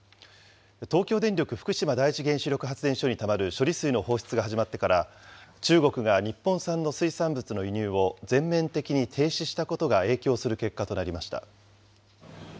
東京電力福島第一原子力発電所にたまる処理水の放出が始まってから、中国が日本産の水産物の輸入を全面的に停止したことが影響する結果となりました。